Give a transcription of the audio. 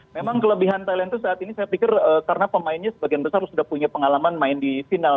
memang kelebihan thailand itu saat ini saya pikir karena pemainnya sebagian besar sudah punya pengalaman main di final